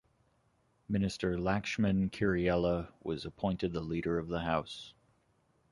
Minister Lakshman Kiriella was appointed the leader of the house.